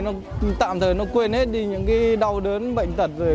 nó tạm thời nó quên hết đi những cái đau đớn bệnh tật rồi